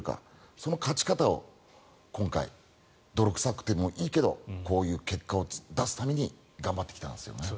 その勝ち方を今回、泥臭くてもいいけどこういう結果を出すために頑張ってきたんですよね。